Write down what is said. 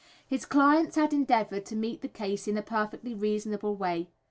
His clients had endeavoured to meet the case in a perfectly reasonable way.